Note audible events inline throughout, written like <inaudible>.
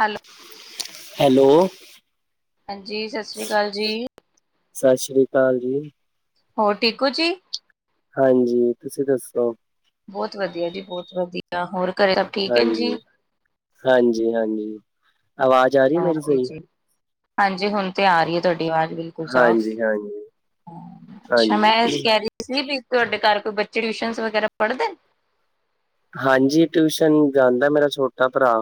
Hello. Hello. ਹਾਂਜੀ, ਸਤ ਸ਼੍ਰੀ ਕਾਲ ਜੀ। ਸਾ ਸ੍ਰੀ ਕਾਲ ਜੀ। ਹੋਰ, ਠੀਕ ਹੋ ਜੀ? ਹਾਂਜੀ, ਤੁਸੀਂ ਦੱਸੋ? ਬੌਤ ਵਧੀਆ ਜੀ, ਬੌਤ ਵਧੀਅ ਆ ਹੋਰ ਘਰੇ ਹਾਂਜੀ, ਹਾਂਜੀ-ਹਾਂਜੀ ਆਵਾਜ਼ ਆ ਰਹੀ ਮੇਰੀ ਓਕੇ ਸਹੀ? ਜੀ, ਹਾਂਜੀ ਹੁਣ ਤੇ ਆ ਰੀ ਐ ਤੁਆਡੀ ਵਾਜ਼ ਬਿਲ ਕੁਲ ਸਾਫ, ਹਾਂਜੀ-ਹਾਂਜੀ, ਅੱਛਾ ਹਾਂਜੀ। ਮੈਂ ਹਾਂਜੀ, ਕੈ ਰੀ ਸੀਂ ਬੀ ਤੁਆਡੇ ਘਰ ਕੋਈ ਬੱਚੇ ਟਿਊਸ਼ਨ ਵਗੈਰਾ ਪੜ੍ਹਦੇ? ਹਾਂਜੀ ਟਿਊਸ਼ਨ ਜਾਂਦਾ ਮੇਰਾ ਛੋਟਾ ਭਰਾ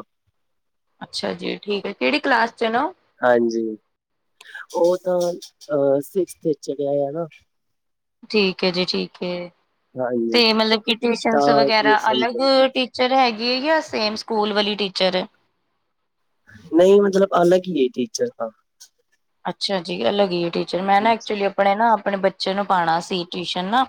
ਅੱਛਾ ਜੀ ਠੀਕ ਹੈ ਕੇੜੀ ਕਲਾਸ ਚ ਨਾ ਹਾਂਜੀ ਉਹ ਤਾਂ ਅ ਸਿਕਸਥ ਚੜਿਆ ਆ ਨਾ ਠੀਕ ਏ ਜੀ ਠੀਕ ਏ ਹਾਂਜੀ ਤੇ ਮਤਲਬ ਕਿ ਤਾਂ ਟਿਊਸ਼ਨਸ ਉਹ ਵਗੈਰਾ ਟਿਊਸ਼ਨ ਅਲਗ ਤੇ ਟੀਚਰ ਹੈਗੀ ਜਾਂ ਸੇਮ ਸਕੂਲ ਵਾਲੀ ਟੀਚਰ ਹੈ ਨਹੀਂ ਮਤਲਬ ਅਲੱਗ ਹੀ ਏ ਟੀਚਰ ਤਾਂ। ਅੱਛਾ ਜੀ ਅਲੱਗ ਈ ਏ ਟੀਚਰ, ਮੈਂ ਨਾ ਐਕਚੁਲੀ ਆਪਣੇ ਨਾ ਆਪਣੇ ਬੱਚੇ ਨੂੰ ਪਾਣਾ ਸੀ। ਟਵੀਸ਼ਨ ਨਾ,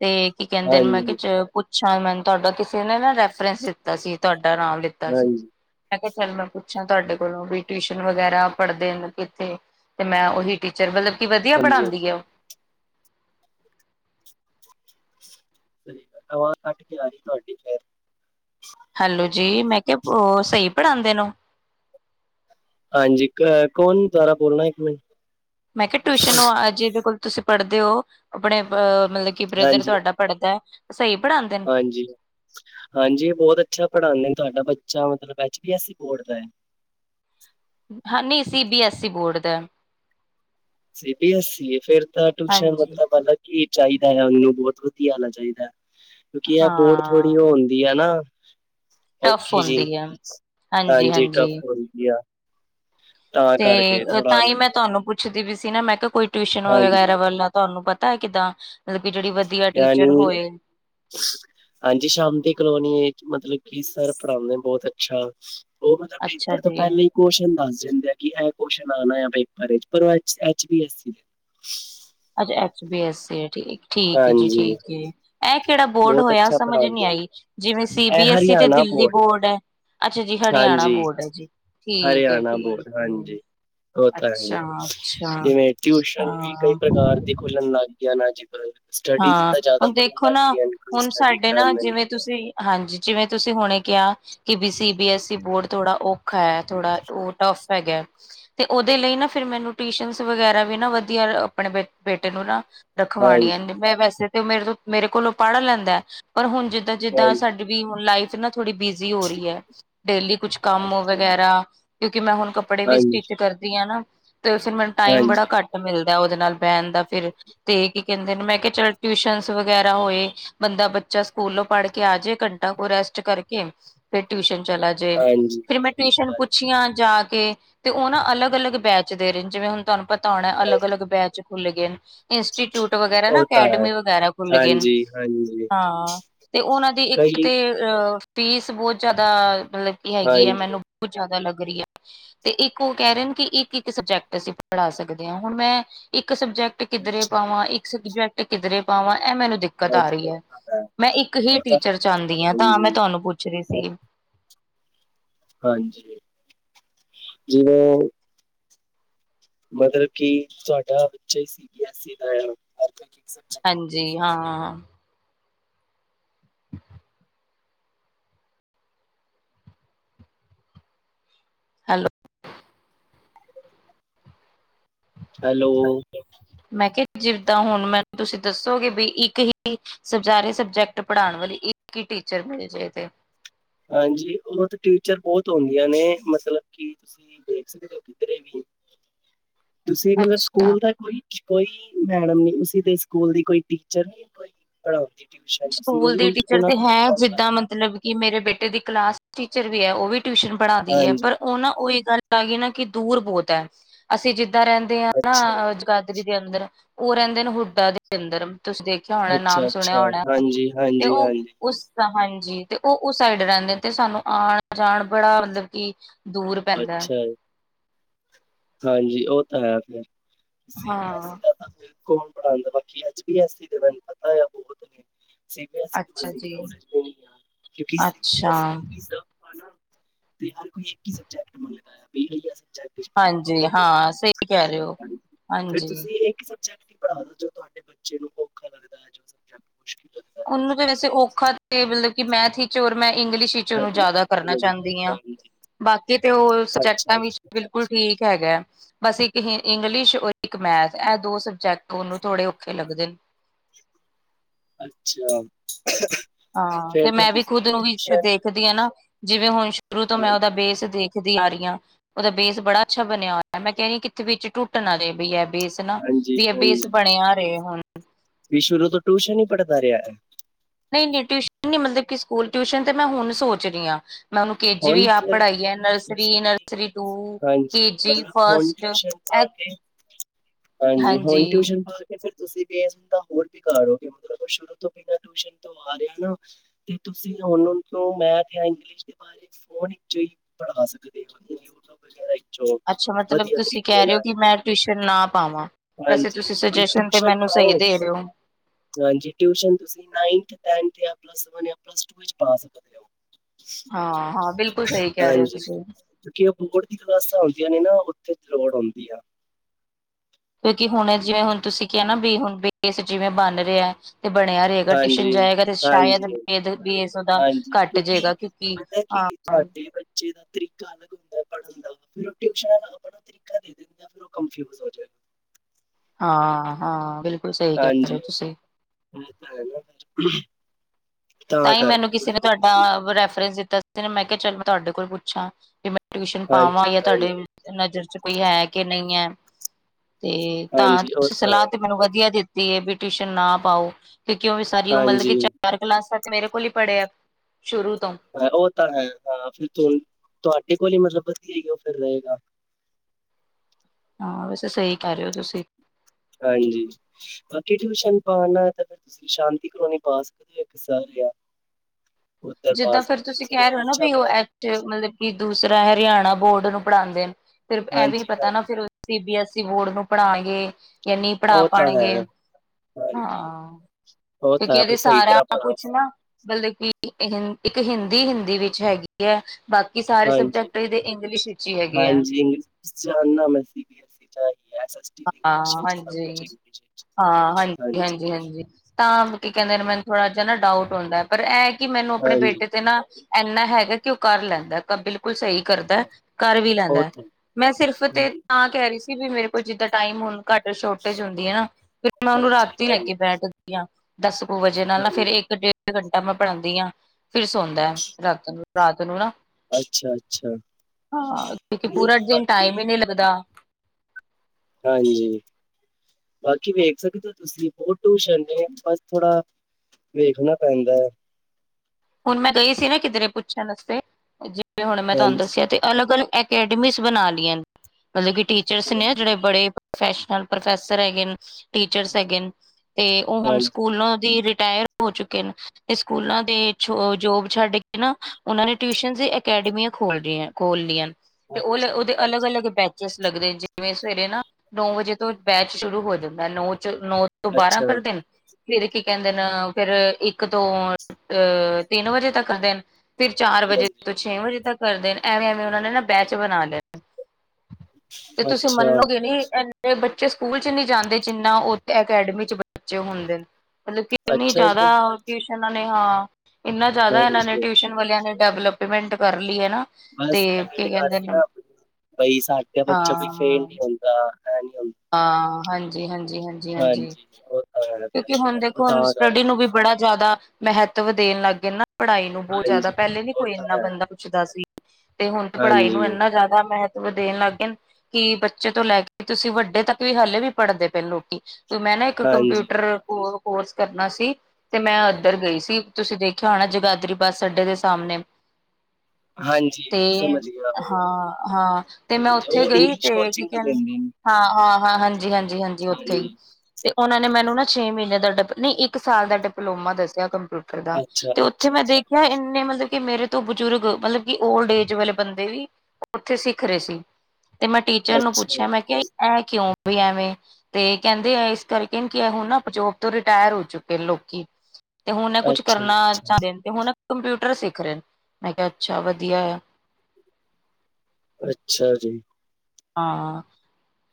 ਤੇ ਕੀ ਕੇਂਦੇ ਨੇ ਮੈਂ ਕੇਆ ਹਾਂਜੀ, ਚ ਪੁੱਛਾਂ ਮੈਨੂੰ ਤੁਹਾਡਾ, ਤਿਸੀਂ ਨੇ ਨਾ ਰੈਫਰੈਂਸ ਦਿੱਤਾ ਸੀ, ਤਾਡਾ ਨਾਮ ਲਿਤਾ ਸੀ। ਹਾਂਜੀ, ਮੈਂ ਕੇਆ ਚੱਲ ਮੈਂ ਪੁੱਛਾਂ ਤਾਹਡੇ ਕੋਲੋਂ ਵੀ ਟਵੀਸ਼ਨ ਵਗੈਰਾ ਪੜ੍ਹਦੇ ਨੇ ਕਿੱਥੇ? ਤੇ ਮੈਂ ਓਹੀ ਟੀਚਰ ਮਤਲਬ ਕਿ ਵਧੀਆ ਹਾਂਜੀ। ਪੜਾਂਦੀ ਏ ਉਹ? ਅੱਛਾ ਜੀ, ਅਵਾਜ਼ ਕੱਟ ਕੇ ਆ ਰਈ ਤੁਹਾਡੀ ਫੇਰ। ਹੈਲੋ ਜੀ ਮੈਂ ਕੇਆ ਉਹ ਸਈ ਪੜ੍ਹਾਨਦੇ ਨੂੰ ਹਾਂਜੀ ਕ ਕੌਣ? ਦੁਆਰਾ ਬੋਲਣਾ ਏਕ ਮਿੰਟ। ਮੈਂ ਕੇਆ ਟਿਊਸ਼ਨ ਉਹ ਆਹ ਜਿਹਦੇ ਕੋਲ ਤੁਸੀਂ ਪੜ੍ਹਦੇ ਔ, ਆਪਣੇ ਅ ਮਤਲਬ ਕਿ ਬ੍ਰਦਰ ਹਾਂਜੀ, ਤੁਆਡਾ ਪੜ੍ਹਦਾ ਏ, ਸਈ ਪੜ੍ਹਾਨਦੇ ਹਾਂਜੀ, ਹਾਂਜੀ ਏਹ ਬੌਹਤ ਅੱਛਾ ਪੜ੍ਹਾਨਦੇ ਨੇ, ਤੁਆਡਾ ਬੱਚਾ ਮਤਲਬ H B S C board ਦਾ ਏ? ਹਾਂ ਨੀ C B S E board ਦਾ ਏ। ਸੀ ਬੀ ਐਸ ਈ ਏ ਫੇਰ ਤਾਂ ਟੂਊਸ਼ਨ ਹਾਂਜੀ ਮਤਲਬ ਅਲਗ ਕੀ ਚਾਈਦਾ ਹੈ ਉਹਨੂੰ ਬੋਹਤ ਵਧੀਆ ਆਲਾ ਚਾਹੀਦਾ ਹੈ। ਕਿਉਂਕਿ ਏਹ ਬੋਰਡ ਥੋੜੀ ਹਾਂ ਔ ਹੁਣ ਤੀ ਏ ਨਾ ਟਫ ਓਖੀ ਜੀ, ਹੁੰਦੀ ਹੈ ਹਾਂਜੀ ਟਫ ਹੁੰਦੀ ਆ। ਤਾਂ ਕਰਕੇ ਤੇ ਤਾਂ ਥੋੜਾ ਹੀ ਮੈਂ ਆ। ਤੁਹਾਨੂੰ ਪੁੱਛਦੀ ਵੀ ਸੀ ਨਾ, ਮੈਂ ਕੇਆ ਕੋਈ ਟਿਊਸ਼ਨ ਹਾਂਜੀ ਵਗੈਰਾ ਵੱਲਾਂ ਤੁਹਾਨੂੰ ਪਤਾ ਏ ਕਿੱਦਾਂ ਮਤਲਬ ਕਿ ਜੇਹੜੀ ਵਧੀਆ ਟੀਚਰ ਯਾਨੀ ਹੋਏ। ਹਾਂਜੀ ਸ਼ਾਮ ਦੀ ਕਲੋਨੀ ਇੱਚ ਮਤਲਬ ਕਿ ਸਰ ਪਰਾਉਂਦੇ ਨੇ ਬੋਹਤ ਅੱਛਾ, ਉਹ ਮਤਲਬ ਅੱਛਾ ਪੇਪਰ ਤੋਂ ਜੀ ਪੇਹਲੇ ਹੀ ਕੋਸ਼ਨ ਦੱਸ ਦੇਂਦੇ ਆ ਕਿ ਏਹ ਕੋਸ਼ਨ ਆਣਾ ਆ ਪੇਪਰ ਇੱਚ ਪਰ ਐਚ, ਐਚ ਬੀ ਐਸ ਦੇ। ਅੱਛਾ ਐਚ ਬੀ ਐੱਸ ਸੀ ਏ, ਠੀਕ। ਠੀਕ ਏ ਜੀ ਹਾਂਜੀ ਠੀਕ ਏ, ਏਹ ਕੇਹੜਾ ਬੋਰਡ ਬਹੁਤ ਹੋਏਆ, ਅੱਛਾ ਸਮਝ ਨੀ ਪੜ੍ਹਾਉਂਦੇ ਆਈ? ਜਿਵੇਂ ਸੀ ਨੇ। ਇਹ ਬੀ ਐਸ ਈ ਤੇ ਹਰਿਆਣਾ ਦਿੱਲੀ ਬੋਰਡ ਹੈ। ਅੱਛਾ ਜੀ ਹਰਿਆਣਾ ਹਾਂਜੀ, ਬੋਰਡ ਹੈ ਜੀ, ਠੀਕ ਏ ਹਰਿਆਣਾ ਠੀਕ ਬੋਰਡ ਏ। ਹਾਂਜੀ, ਉਹ ਤਾਂ ਹੈ ਹੀ, ਅੱਛਾ-ਅੱਛਾ ਹਾਂ। ਦੇਖੋ ਇਨ੍ਹਾਂ ਨਾਗਿਆ ਨਾਲ ਚਿੱਪ ਰੇ, ਸਟੱਡੀ ਦੀ ਹਾਂ ਤਾਂ ਜ਼ਆਦਾ ਹੁਣ <unintelligible> ਦੇਖੋ ਨਾ ਨਾਗੀ ਆਲੀ ਕੋਈ ਹੁਣ ਸਟੱਡੀ ਸਾਡੇ ਨਾ ਕਰਾਂਦੇ ਨੇ। ਜਿਵੇਂ ਤੁਸੀਂ ਹਾਂਜੀ, ਜਿਵੇਂ ਤੁਸੀਂ ਹੁਣੇ ਕੇਆ ਕਿ B C B S E board ਥੋੜਾ ਔ ਖਾ ਹੈ ਥੋੜਾ ਉਹ ਟਫ ਹੈਗਾ ਏ। ਤੇ ਓਹਦੇ ਲਈ ਨਾ ਫਿਰ ਮੈਨੂੰ ਟਿਸ਼ਨਸ ਵਗੈਰਾ ਵੀ ਨਾ ਵਧੀਆ, ਅਪਣੇ ਬੇ ਬੇਟੇ ਨੂੰ ਨਾ ਰਖਵਾਣੀ ਹੈ ਹਾਂਜੀ, ਨੀ, ਮੈਂ ਵੈਸੇ ਤੇ ਮੇਰੇ ਤੋਂ ਮੇਰੇ ਕੋਲੋਂ ਪਾੜ ਲੈਂਦਾ ਏ, ਪਰ ਹੁਣ ਜਿੱਦਾਂ-ਜਿੱਦਾਂ ਹਾਂਜੀ ਸਾਡ ਡੀ ਵੀ ਹੁਣ ਲਾਈਫ ਚ ਨਾ ਥੋੜੀ ਬਿਜ਼ੀ ਹੋ ਰਹੀ ਹੈ, ਡੇਲੀ ਕੁਛ ਕਾਮ ਉਹ ਤਾਂ ਹੈ ਵਗੈਰਾ ਕਿਉਂਕਿ ਮੈਂ ਹੁਣ ਕੱਪੜੇ ਵੀ ਹਾਂਜੀ, ਸਟਿਚ ਕਰਦੀ ਆ ਨਾ, ਤੇ ਫਿਰ ਮੈਨੂੰ ਟਾਈਮ ਬੜਾ ਹਾਂਜੀ, ਕਾ ਟ ਮਿਲਦਾ ਏ ਓਹਦੇ ਨਾਲ ਬੇਹਣ ਦਾ ਫਿਰ, ਤੇ ਕੀ ਕੇਂਦੇ ਨੇ ਮੈਂ ਕੇਆ ਚਲ ਟਿਊਸ਼ਨਸ ਵਗੈਰਾ ਹੋਏ ਬੰਦਾ ਬੱਚਾ ਸਕੂਲੋਂ ਪਾੜ੍ਹ ਕੇ ਆ ਜੇ, ਘੰਟਾ ਕੋ ਰੈਸਟ ਕਰਕੇ ਫੇਰ ਟਿਊਸ਼ਨ ਚਲਾ ਜੇ, ਹਾਂਜੀ ਫਿਰ ਮੈਂ ਸਹੀ ਟਿਊਸ਼ਨ ਗੱਲ ਪੁੱਛੀਆਂ ਜਾ ਕੇ ਤੇ ਉਹ ਨਾ ਅਲੱਗ-ਅਲੱਗ ਬੈਚ ਦੇ ਰਹੇ ਨੇ, ਜਿਵੇਂ ਹੁਣ ਤੁਹਾਨੂੰ ਪਤਾ ਹੋਣਾ ਅਲੱਗ-ਅਲੱਗ ਬੈਚ ਖੁੱਲ ਗਏ ਨੇ। ਇੰਸਟੀਟਿਊਟ ਵਗੈਰਾ ਨਾ ਉਹ ਤਾਂ ਹੈ ਅਕੈਡਮੀ ਵਗੈਰਾ ਖੁੱਲ ਗਏ ਨੇ, ਹਾਂਜੀ, ਹਾਂਜੀ ਹਾਂ ਤੇ ਉਹਨਾਂ ਦੀ ਇੱਕ ਤੇ ਕਈ ਤੇ ਅਹ ਫੀਸ ਬੋਹਤ ਜਾਦਾ ਮਤਲਬ ਕੀ ਹੈਗੀ ਏ, ਹਾਂਜੀ ਮੈਨੂੰ ਬੋਹਤ ਜਾਦਾ ਲੱਗ ਰਹੀ ਏ। ਤੇ ਇੱਕ ਉਹ ਕੇਹ ਰਹੇ ਨੇ ਕਿ ਇੱਕ-ਇੱਕ ਸਬਜੈਕਟ ਅਸੀਂ ਪੜਾ ਸਕਦੇ ਹਾਂ, ਹੁਣ ਮੈਂ ਇੱਕ ਸਬਜੈਕ ਟ ਕਿੱਧਰੇ ਅੱਛਾ ਪਾਵਾਂ, ਇੱਕ ਸਬਜੈਕਟ ਕਿੱਧਰੇ ਪਾਵਾਂ, ਏਹ ਮੈਨੂੰ ਦਿੱ ਕਤ ਆ ਹਾਂਜੀ ਰਹੀ ਉਹ ਹੈ। ਤਾਂ ਮੈਂ ਇੱਕ ਹੀ ਉਹ ਤਾਂ ਟੀਚਰ ਫਿਰ ਚਾਂਦੀ ਆ, ਤਾਂ ਮੈਂ ਹਾਂਜੀ, ਤੁਹਾਨੂੰ ਪੁੱਛ ਰਈ ਸੀ। ਹਾਂਜੀ, ਜਿਵੇਂ ਮਤਲਬ ਕੀ ਤੁਆਡਾ ਬੱਚਾ ਈ ਸੀ ਜੋ ਅਸੀਂ <unintelligible> ਹਾਂਜੀ ਹਾਂ। ਹੈਲੋ ਹੈਲੋ ਮੈਂ ਕਿਆ ਜਿੱਦਾਂ ਹੁਨ ਮੈਨੂੰ ਤੁਸੀਂ ਦੱਸੋਗੇ ਵੀ ਇੱਕ ਹੀ ਸਬ ਜਾਰੇ ਸਬਜੈਕਟ ਪੜ੍ਹਾਨ ਵਾਲੀ ਇੱਕ ਈ ਟੀਚਰ ਮਿਲ ਜਏ ਤੇ ਹਾਂਜੀ, ਓ ਤੇ ਟੀਚਰ ਬੋਤ ਹੁੰਦੀਆਂ ਨੇ ਮਤਲਬ ਕੀ ਤੁਸੀਂ ਕੀ ਦੇਖ ਸਕਦੇ ਹੋ ਕਿਦਰੇ ਵੀ ਤੁਸੀਂ ਮਤਲਬ ਅੱਛਾ ਸਕੂਲ ਦਾ ਕੋਈ-ਕੋਈ ਮੈਡਮ ਨੀ ਉਸੀ ਦੇ ਸਕੂਲ ਦੀ ਕੋਈ ਟੀਚਰ ਨੀ ਕੋਈ ਪੜੌਂਦੀ ਟਿਊਸ਼ਨ, ਤੁਸੀਂ ਸਕੂਲ ਦੀ ਟੀਚਰ ਓਨਾਂ ਤੇ ਕੋਲ ਹੈ ਈ ਗੱਲ ਕਰ <unintelligible> ਜਿੱਦਾਂ ਮਤਲਬ ਕਿ ਮੇਰੇ ਬੇਟੇ ਦੀ ਕਲਾਸ ਟੀਚਰ ਵੀ ਐ ਓ ਵੀ ਟਿਊਸ਼ਨ ਪੜ੍ਹਾਂਦੀ ਐ ਹਾਂਜੀ, ਪਰ ਓ ਨਾ ਓਈ ਗੱਲ ਆ ਗਈ ਨਾ ਕੇ ਦੂਰ ਬੋਤ ਐ ਅਸੀਂ ਜਿੱਦਾਂ ਰੈਂਦੇ ਆਂ ਅੱਛਾ, ਨਾ ਜਗਾਦ ਰੀ ਦੇ ਅੰਦਰ ਓ ਰੈਂਦੇ ਨੇ ਹੁੱਡਾ ਦੇ ਅੰਦਰ ਤੁਸੀਂ ਦੇਖੇਆ ਹੋਨਾ ਨਾਮ ਸੁਨੇਆ ਅੱਛਾ-ਅੱਛਾ, ਹੋਨੈ। ਹਾਂਜੀ-ਹਾਂਜੀ-ਹਾਂਜੀ। ਉਸ ਹਾਂਜੀ ਤੇ ਓ ਉਸ ਸਾਈਡ ਰੈਂਦੇ ਤੇ ਸਾਨੂੰ ਆਨ-ਜਾਨ ਬੜਾ ਮਤਲਬ ਕਿ ਦੂਰ ਪੈਂਦੈ। ਅੱਛਾ ਜੀ, ਹਾਂਜੀ ਓ ਤਾਂ ਹੈ ਫੇਰ, ਤੁਸੀ ਕਿਆ ਹਾਂ ਸੀ ਨਾ ਕੌਨ ਪੜ੍ਹਾਂਦਾ ਬਾਕੀ ਐਚ ਬੀ ਐਸ ਸੀ ਤੇ ਮੈਨੂੰ ਪਤਾ ਆ ਬਹੋਤ ਸੀ ਬੀ ਐੱਸ ਈ ਦੀ ਅੱਛਾ ਮੈਨੂੰ ਨੀ ਜੀ ਨੌਲੇਜ <unintelligible> ਕਿਓਂਕਿ ਸੀ ਬੀ ਅੱਛਾ ਐੱਸ ਈ ਦਾ ਹੈਨਾ ਤੇ ਹਰ ਕੋਈ ਇੱਕ ਈ ਸਬਜੈਕਟ ਮੰਗਦਾ ਆ ਪੀ ਡੀ ਯਾ ਸਬਜੈਕਟ ਵਿੱਚ ਪੜ੍ਹਾ ਹਾਂਜੀ ਪਾਵਾਂਗੇ ਹਾਂ ਸਈ ਕੈ ਰਏ ਓ, ਹਾਂਜੀ। ਏਕ ਈ ਸਬਜੈਕਟ ਈ ਪੜ੍ਹਾ ਦੋ ਜੋ ਤੁਆਡੇ ਬੱਚੇ ਨੂੰ ਔਖਾ ਲੱਗਦਾ ਐ ਜੋ ਸਬਜੈਕਟ ਮੁਸ਼ਕਿਲ ਲੱਗਦਾ ਹੈ ਓਨੂੰ ਤੇ ਵੈਸੇ ਔਖਾ ਤੇ ਮਤਲਬ ਕੇ ਮੈਥ ਈ ਚੋਰ ਮੈਂ ਇੰਗਲਿਸ਼ ਵਿੱਚ ਓਨੂੰ ਸਾਡੀ ਜ਼ਾਦਾ ਮੈਥ ਹੀ ਕਰਨਾ ਲੱਗਦਾ ਹੈ ਚਾਂਦੀ ਆਂ। ਸਾਰੀ ਜੀ ਬਾਕੀ ਤੇ ਓ ਅੱਛਾ ਸਬਜੈਕਟਾਂ ਵਿੱਚ ਅੱਛਾ ਬਿਲਕੁਲ ਠੀਕ ਹੈਗੈ। ਬਸ ਇੱਕ ਹੀ ਇੰਗਲਿਸ਼ ਔਰ ਇੱਕ ਮੈਥ ਐ ਦੋ ਸਬਜੈਕਟ ਓਨੂੰ ਥੋੜੇ ਔਖੇ ਲੱਗਦੇ ਨੇ। ਅੱਛੇਆ। ਹਾਂ ਤੇ ਮੈਂ ਵੀ ਖੁਦ ਨੂੰ ਵੀ ਦੇਖਦੀ ਆਂ ਨਾ, ਜਿਵੇਂ ਹੁਨ ਸ਼ੁਰੂ ਤੋਂ ਮੈਂ ਓਦਾ ਹਾਂਜੀ ਬੇਸ ਦੇਖ ਦੇਖਦੀ ਆ ਰਈ ਆਂ ਓਦਾ ਬੇਸ ਬੜਾ ਅੱਛਾ ਬਨੇਆ ਹੋਏਆ ਮੈਂ ਕੈ ਰਈ ਆਂ ਕਿੱਥੇ ਵਿੱਚ ਟੁੱਟ ਨਾ ਜਏ ਬਈ ਐ ਬੇਸ। ਹੈਨਾ, ਵੀ ਐ ਬੇਸ ਹਾਂਜੀ ਬਨੇਆ ਰਏ ਹੁਨ। ਵੀ ਸ਼ੁਰੂ ਤੋਂ ਟੂਸ਼ਨ ਈ ਪੜ੍ਹਦਾ ਰਿਐ। ਨਈ-ਨਈ ਟਿਊਸ਼ਨ ਨੀ ਮਤਲਬ ਕਿ ਸਕੂਲ ਟਿਊਸ਼ਨ ਤੇ ਮੈਂ ਹੁਨ ਸੋਚ ਰਈ ਆਂ। ਮੈਂ ਓਨੂੰ ਕੇ ਜੀ ਵੀ ਹੁਣ ਆਪ ਫਿਰ ਪੜ੍ਹਾਈ ਐ ਤੁਸੀਂ nursery, nursery to, K G, first okay ਹਾਂਜੀ, ਹੁਨ ਟਿਊਸ਼ਨ ਪਰ ਤੇ ਫਿਰ ਤੁਸੀਂ ਬੇਸ ਤਾਂ ਹੋਰ ਬਿਕਾਰੋਗੇ ਮਤਲਬ ਸ਼ੁਰੂ ਤੋਂ ਬਿਨਾਂ ਟਿਊਸ਼ਨ ਤੋਂ ਆ ਰਿਆ ਨਾ ਤੇ ਤੁਸੀਂ ਹੁਨ ਓਨੂੰ ਕਿਉਂ ਮੈਥ ਯਾ ਇੰਗਲਿਸ਼ ਦੇਖੋ। ਫੋਨ ਵਿੱਚੋਂ ਈ ਪੜ੍ਹਾ ਸਕਦੇ ਹੋ, ਯੂਟੂਬ ਵਗੈਰਾ ਈ ਅੱਛਾ ਮਤਲਬ ਤੁਸੀਂ ਕੈ ਰਏ ਓਂ ਕਿ ਮੈਂ ਟਿਊਸ਼ਨ ਨਾ ਪਾਵਾਂ। ਵੈਸੇ ਹਾਂਜੀ, ਤੁਸੀਂ ਬਈ ਸੁਜੈਸ਼ਨ ਤੇ ਟਿਊਸ਼ਨ ਮੈਨੂੰ ਸਈ ਪਾਓ ਦੇ ਰਏ ਓਂ। ਹਾਂਜੀ ਟਿਊਸ਼ਨ ਤੁਸੀ ਨਾਇੰਥ, ਟੈਂਠ ਯਾਂ ਪਲੱਸ ਵੰਨ ਯਾ ਪਲੱਸ ਟੂ ਵਿੱਚ ਪਾ ਸਕਦੇ ਹੋ। ਹਾਂ-ਹਾਂ, ਬਿਲਕੁਲ ਸਈ ਕੈ ਰਏ ਓਂ ਤੁਸੀਂ। ਕਿਓਂਕਿ ਓ ਬੋਰਡ ਦੀ ਕਲਾਸਾਂ ਹੁੰਦੀਆਂ ਨੇ ਨਾ ਓਥੇ ਲੋੜ ਹੁੰਦੀ ਆ। ਕਿਉਂਕਿ ਹੁਣ ਜਿਵੇਂ ਹੁਣ ਤੁਸੀਂ ਕਿਹਾ ਨਾ ਵੀ ਹੁਣ ਬੇਸ ਜਿਵੇਂ ਬਣ ਰਿਆ। ਤੇ ਬਣਿਆ ਰਹੇਗਾ ਟਿਊਸ਼ਨ ਹਾਂਜੀ, ਜਾਏਗਾ ਤੇ ਸ਼ਾਇਦ ਹਾਂਜੀ। ਬੇ ਬੇਸ ਓਦਾ ਹਾਂਜੀ, ਘੱਟ ਜੇ ਗਾ ਕਿਉਂਕਿ ਪਤਾ ਕੀ ਹਾਂ ਤੁਹਾਡੇ ਬੱਚੇ ਦਾ ਤਰੀਕਾ ਅਲੱਗ ਹੁੰਦਾ ਐ ਪੜ੍ਹਨ ਦਾ ਫਿਰ ਟਿਊਸ਼ਨ ਅਲੱਗ ਆਪਣਾ ਤਰੀਕਾ ਦੇ ਦਿੰਦਾ। ਫਿਰ ਉਹ ਕੰਫਿਊਜ਼ ਹੋ ਜੇ ਗਾ। ਹਾਂ-ਹਾਂ, ਬਿਲਕੁਲ ਸਹੀ ਕਹਿ ਰੇ ਔ ਤੁਸੀਂ ਹੋਲੇ। ਤਾਂ ਹੀ ਮੈਨੂੰ ਕਿਸੇ ਨੇ ਤੁਸੀਂ ਤੁਹਾਡਾ ਰੈਫਰੈਂਸ ਦਿੱਤਾ। ਕਿਸੇ ਨੇ ਮੈਂ ਕਿਹਾ ਚਲ ਮੈਂ ਤੁਹਾਡੇ ਕੋਲ ਪੁੱਛਾਂ ਵੀ ਮੈਂ ਟਿਊਸ਼ਨ ਪਾਵਾਂ ਹਾਂਜੀ, ਜਾਂ ਤਾਡੇ ਹਾਂਜੀ, ਨਜ਼ਰ ਚ ਕੋਈ ਹੈ ਕਿ ਨਹੀਂ ਐ, ਤੇ ਤਾਂ ਹਾਂਜੀ ਉਹ ਤੁਸੀਂ ਤਾਂ ਸਲਾਹ ਹੈ, ਤੇ ਮੈਨੂੰ ਵਧੀਆ ਦਿੱਤੀ ਐ ਵੀ ਟਿਊਸ਼ਨ ਨਾ ਪਾਓ, ਕਿਉਂਕਿ ਉਹ ਵੀ ਸਾਰੀ ਔ ਮਤਲਬ ਕਿ ਹਾਂਜੀ, ਚਾਰ ਕਲਾਸ ਮੇਰੇ ਕੋਲ ਈ ਪੜ੍ਹਿਆ ਸ਼ੁਰੂ ਤੋਂ। ਉਹ ਤਾਂ ਹੈ, ਹਾਂ ਫਿਰ ਤੁ ਤੁਹਾਡੇ ਕੋਲ ਹੀ ਮਤਲਬ ਵਧੀਆ <inaudible> ਹਾਂ ਵੈਸੇ, ਸਹੀ ਕਹਿ ਰੇ ਔ ਤੁਸੀਂ। ਹਾਂਜੀ। ਬਾਕੀ ਟਿਊਸ਼ਨ ਪਾਣਾ ਤਾਂ <unintelligible> ਉੱਧਰ ਪਾ ਜਿੱਦਾਂ ਫਿਰ ਸਕਦੇ ਹੋ ਤੁਸੀਂ ਕਹਿ ਰੇ ਬਹੁਤ ਔ ਨਾ ਅੱਛਾ ਵੀ ਉਹ ਐ, ਪੜ੍ਹਾਂਦੇ ਮਤਲਬ ਕਿ ਦੂਸਰਾ ਹਰਿਆਣਾ ਬੋਰਡ ਨੂੰ ਪੜ੍ਹਾਦੇ ਨੇ। ਫਿਰ ਇਹ ਵੀ ਨੀ ਹਾਂਜੀ, ਪਤਾ ਨਾ ਹਾਂਜੀ, ਫਿਰ ਸੀ ਬੀ ਐਸੀ ਬੋਰਡ ਨੂੰ ਪੜ੍ਹਾਗੇ। ਜਾਂ ਨਈ ਪੜ੍ਹਾ ਉਹ ਤਾਂ ਹੈ, ਪਾਣਗੇ, ਹਾਂਜੀ। ਹਾਂ। ਉਹ ਤਾਂ ਕਿੳਕਿ ਇਹਦੇ ਸਾਰਾ ਕੁਛ ਨਾ ਮਤਲਬ ਕਿ ਹਿੰ ਇੱਕ ਹਿੰਦੀ-ਹਿੰਦੀ ਵਿੱਚ ਹੈਗੀ ਐ। ਬਾਕੀ ਸਾਰੇ ਸਿਬਜੈਕਟ ਇਹਦੇ ਇੰਗਲਿਸ਼ ਵਿੱਚ ਹੀ ਹੈਗੇ ਐ। ਜਣਨਾ ਮੈਂ <unintelligible> ਹਾਂ ਹਾਂਜੀ, ਹਾਂ ਹਾਂਜੀ, ਹਾਂਜੀ-ਹਾਂਜੀ-ਹਾਂਜੀ। ਤਾਂ ਕੀ ਕਹਿੰਦੇ ਨੇ ਮੈਨੂੰ ਥੋੜ੍ਹਾ ਜਿਹਾ ਨਾ ਡਾਊਟ ਹੁੰਦਾ ਐ ਪਰ ਐ ਕਿ ਮੈਨੂੰ ਆਪਣੇ ਹਾਂਜੀ, ਬੇਟੇ ਤੇ ਨਾ‌ ਇੰਨਾ ਹੈਗਾ ਕਿ ਉਹ ਕਰ ਲੈਂਦਾ। ਬਿਲਕੁਲ ਸਹੀ ਕਰਦਾ ਕਰ ਵੀ ਉਹ ਲੈਂਦਾ, ਤਾਂ ਮੈਂ ਸਿਰਫ ਤੇ ਹਾਂਜੀ, ਤਾਂ ਕਹਿ ਰਹੀ ਸੀ ਵੀ ਮੇਰੇ। ਜਿੱਦਾਂ ਟਾਈਮ ਹੁਨ ਘੱਟ ਸ਼ੋਰਟੇਜ ਹੁੰਦੀ ਆ ਨਾ, ਫਿਰ ਮੈਂ ਉਹਨੂੰ ਹਾਂਜੀ, ਰਾਤ ਹੀ ਲੈ ਕੇ ਹਾਂਜੀ, ਬੈਠਦੀ ਆ ਦੱਸ ਉਹ ਵਜੇ ਨਾਲ ਨਾ ਫੇਰ ਹਾਂਜੀ। ਇੱਕ ਡੇਢ ਘੰਟਾ ਮੈਂ ਪੜਾਦੀ ਆ, ਫਿਰ ਸੌਂਦਾ ਰਾਤ ਨੂੰ ਰਾਤ ਨੂੰ ਨਾ। ਅੱਛਾ-ਅੱਛਾ, ਹਾਂ ਕਿਉਕਿ ਨਹੀਂ ਪੂਰਾ ਦਿਨ ਬਾਕੀ ਟਾਈਮ ਈ ਨੀ ਲੱਗਦਾ। ਹਾਂਜੀ। ਬਾਕੀ ਵੇਖ ਸਕਦੇ ਆ ਤੁਸੀਂ ਬੋਤ ਟਿਊਸ਼ਨ ਨੇ ਬਸ ਥੋੜਾ ਵੇਖਣਾ ਪੈਂਦਾ। ਹੁਣ ਮੈਂ ਗਈ ਸੀ ਨਾ ਕਿਧਰੇ ਪੁੱਛਣ ਵਾਸਤੇ, ਜਿਵੇ ਹੁਣ ਮੈਂ ਤੁਹਾਨੂੰ ਹਾਂਜੀ, ਦੱਸਿਆ ਤੇ ਅਲੱਗ-ਅਲੱਗ ਅਕੈਡਮੀਜ਼ ਬਣਾ ਲਈਆਂ, ਮਤਲਬ ਕਿ ਟੀਚਰਸ ਨੇ ਹਾਂਜੀ, ਜਿਹੜੇ ਬੜੇ ਪ੍ਰੋਫੈਸ਼ਨਲ ਪ੍ਰੋਫੈਸਰ ਹੈਗੇ ਨੇ, ਟੀਚਰਸ ਹੈਗੇ ਨੇ। ਤੇ ਉਹ ਹੁਣ ਹਾਂਜੀ, ਸਕੂਲਾਂ ਦੀ ਰਿਟਾਇਰ ਹੋ ਚੁੱਕੇ ਨੇ ਤੇ ਸਕੂਲਾਂ ਦੇ। ਜੋਬ ਛੱਡ ਕੇ ਨਾ, ਉਨ੍ਹਾਂ ਨੇ ਟਿਊਸ਼ਨ ਦੀਆ‌ ਅਕੈਡਮੀਆਂ ਖੋਲ ਰੀ ਖੋਲ ਲਿਆ ਨੇ। ਤੇ ਉਹ ਹਾਂਜੀ। ਉਹਦੇ ਅਲੱਗ-ਅਲੱਗ ਬੈਚ <unintelligible> ਲੱਗਦੇ ਜਿਵੇਂ ਸਵੇਰੇ ਨਾ ਨੌ ਵਜੇ ਤੋਂ ਬੈਚ ਸ਼ੁਰੂ ਹੋ ਜਾਂਦੇ ਨੌ ਚ ਨੌ ਤੋਂ ਬਾਰਾਂ ਅੱਛਾ, ਕਰਦੇ ਨੇ, ਫਿਰ ਕੀ ਕਹਿੰਦੇ ਨੇ ਫੇਰ ਇੱਕ ਤੋਂ ਅ ਤਿੰਨ ਵਜੇ ਤੱਕ ਕਰਦੇ ਨੇ, ਫਿਰ ਚਾਰ ਵੱਜੇ ਹਾਂਜੀ, ਛੇ ਵਜੇ ਤੱਕ ਕਰਦੇ ਐਵੇਂ-ਐਵੇਂ, ਉਹਨਾਂ ਨੇ ਨਾ ਬੈਚ ਬਣਾ ਲਿਆ। ਤੇ ਤੁਸੀਂ ਅੱਛਾ, ਮੰਨੌਗੇ ਨੀ ਬੱਚੇ ਸਕੂਲ ਚ ਨਹੀਂ ਜਾਂਦੇ ਜਿੰਨਾ ਉਹ ਅਕੈਡਮੀ ਚ ਬੱਚੇ ਹੁੰਦੇ ਨੇ, ਮਤਲਬ ਕਿ। ਇੰਨੀ ਅੱਛਾ ਜੀ, ਜ਼ਿਆਦਾ ਟਿਊਸ਼ਨਾਂ ਨੇ ਹਾਂ, ਇੰਨਾ ਜ਼ਿਆਦਾ ਇਹਨਾਂ ਨੇ ਹਾਂਜੀ। ਟਿਊਸ਼ਨ਼। ਵਾਲਿਆਂ ਨੇ ਡਿਵਲੈਪਮੈਂਟ ਕਰ ਲਈ ਏ ਨਾ। ਬਸ ਇਹ ਕੀ ਤੇ ਕਰ ਕਹਿੰਦੇ ਨੇ ਨਾ ਬਈ, ਸਾਡਾ ਹਾਂ ਬੱਚਾ ਕੋਈ ਫੇਲ ਨੀ ਹੁੰਦਾ ਐ ਨੀ ਹੁੰਦਾ। ਹਾਂ, ਹਾਂਜੀ- ਹਾਂਜੀ -ਹਾਂਜੀ। ਹਾਂਜੀ, ਹੋਰ। ਕਿਉਂਕਿ ਹੁਣ ਦੇਖੋ ਹੁਨ ਸਟੱਡੀ ਨੂੰ ਵੀ ਬੜਾ ਜਿਆਦਾ ਮਹਤਵ ਦੇਣ ਲੱਗ ਗਏ ਨਾ। ਪੜ੍ਹਾਈ ਨੂੰ ਬੌਤ ਜ਼ਿਆਦਾ, ਹਾਂਜੀ ਪੈਲੇ ਨੀ ਉਹ ਕੋਈ ਤਾਂ ਏਨਾ ਹੈ ਬੰਦਾ ਪੁੱਛਦਾ ਸੀ। ਤੇ ਹੁਣ ਪੜ੍ਹਾਈ ਨੂੰ ਹਾਂਜੀ ਏਨਾ ਜ਼ਿਆਦਾ ਮਹੱਤ ਦੇਣ ਲੱਗ ਗੇਨ ਕਿ ਬੱਚੇ ਤੋਂ ਲੈ ਕੇ, ਤੁਸੀਂ ਵੱਡੇ ਤੱਕ ਵੀ ਹਲੇ ਵੀ ਪੜ੍ਹਦੇ ਪਏ ਲੋਕੀ। ਮੈਂ ਨਾ ਏਕ ਹਾਂਜੀ ਕੰਪਿਊਟਰ ਕੋ, ਕੋਰਸ ਕਰਨਾ ਸੀ। ਤੇ ਮੈਂ ਏਧਰ ਗਈ ਸੀ ਤੁਸੀਂ ਦੇਖਿਆ ਹੋਣਾ ਏ ਜਗਾਦਰੀ ਬੱਸ ਅੱਡੇ ਦੇ ਸਾਹਮਣੇ। ਹਾਂਜੀ ਤੇ ਸਮਝ ਗਿਆ ਉਹ ਹਾਂ, ਹਾਂ ਤੇ ਮੈਂ ਹਾਂਜੀ ਓਥੇ ਉਹ ਗਈ ਇੰਗਲਿਸ਼ ਤੇ ਕੀ ਕੋਚਿੰਗ ਵੀ ਕੈਣ ਦਿੰਦੇ ਨੇ ਹਾਂ, ਹਾਂ, ਹਾਂ- ਹਾਂਜੀ, ਹਾਂਜੀ, ਹਾਂਜੀ ਓਥੇ ਈ। ਤੇ ਓਨਾਂ ਨੇ ਮੈਨੂੰ ਨਾ ਛੇ ਮੀਨੇ ਦਾ ਡਿਪ ਨਈ ਇੱਕ ਸਾਲ ਦਾ ਡਿਪਲੋਮਾ ਦੱਸਿਆ ਕੰਪਿਊਟਰ ਦਾ ਅੱਛਾ ਤੇ ਓਥੇ ਮੈਂ ਅੱਛਾ ਦੇ ਖਿਆ ਏਨੇ ਮਤਬ ਕੀ ਮੇਰੇ ਤੋਂ ਬਜ਼ੁਰਗ ਮਲਬ ਕੀ ਓਲਡ ਏਜ ਵਾਲੇ ਬੰਦੇ ਵੀ ਓਥੇ ਸਿੱਖ ਰ‌ਏ ਸੀ ਤੇ ਮੈਂ ਟੀਚਰ ਨੂੰ ਅੱਛਾ ਪੁੱਛਿਆ ਮੈਂ ਕਿਆ ਐ ਕਿਉਂ ਬਈ ਐਵੇਂ ਤੇ ਕੈਂਦੇ ਐ ਏਸ ਕਰਕੇ ਕਿ ਐ ਹੋ ਨਾ ਜੋਬ ਤੋਂ ਰਿਟਾਇਰ ਹੋ ਚੁੱਕੇ ਨੇ ਲੋਕੀ ਤੇ ਹੁਣ ਏ ਕੁਛ ਅੱਛਾ ਕਰਨਾ ਅੱਛਾ ਚਾਂਦੇ ਤੇ ਹੁਣ‌ ਏ ਕੰਪਿਊਟਰ ਸਿੱਖ ਰਏ ਮੈਂ ਕਿਆ ਅੱਛਾ ਵਧੀਆ ਆ। ਅੱਛਾ ਜੀ। ਹਾਂ,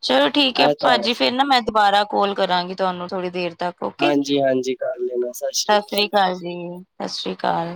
ਚਲੋ ਠੀਕ ਐ ਇਹ ਤਾਂ ਹੈ ਭਾਜੀ ਫੇਰ ਫਿਰ। ਨਾ ਮੈਂ ਦੁਬਾਰਾ ਕਾੱਲ ਕਰਾਂਗੀ ਤੁਆਨੂੰ ਥੋੜ੍ਹੀ ਦੇਰ ਤੱਕ। ਓਕੇ। ਹਾਂਜੀ, ਹਾਂਜੀ ਕਰ ਲੈਣਾ ਸਾਸ਼ਰੀ ਸਤਿ ਸ੍ਰੀ ਕਾਲ ਜੀ। ਅਕਾਲ ਜੀ ਸਾਸ਼ਰੀ ਕਾਲ।